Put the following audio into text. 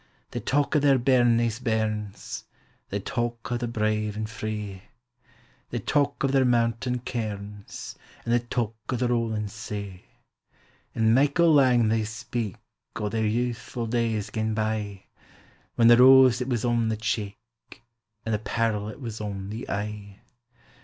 They talk o' their bairnies' bairns, They talk o' the brave and free, 334 POEMS OF HOME. » They talk o' their mountain cairns, An' they talk o' the rolling sea — An' uieikle laug they speak O' their youthful days gane by, When the rose it was on the cheek, An' the pearl it was on the eye.